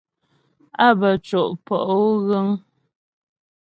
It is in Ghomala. Á bə́ co' pɔ'o ghəŋ.